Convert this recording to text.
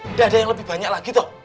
udah ada yang lebih banyak lagi toh